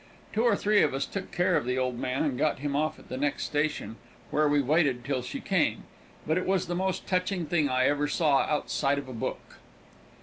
Two or three of us took care of the old man and got him off at the next station, where we waited till she came; but it was the most touching thing I ever saw outside of a book.